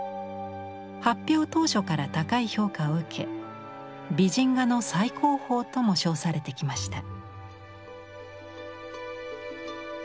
発表当初から高い評価を受け美人画の最高峰とも称されてきました。